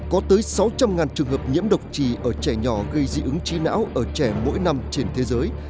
có tới sáu trăm linh trường hợp nhiễm độc trì ở trẻ nhỏ gây dị ứng trí não ở trẻ mỗi năm trên thế giới